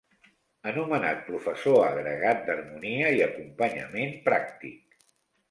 Anomenat professor agregat d'harmonia i acompanyament pràctic.